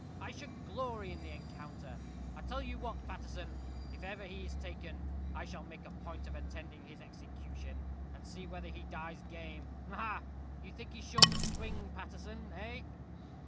I should glory in the encounter. I tell you what, Paterson, if ever he is taken, I shall make a point of attending his execution, and see whether he dies game. Ha, ha! You think he's sure to swing, Paterson, eh?"